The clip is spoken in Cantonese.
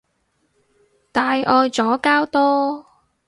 大愛左膠多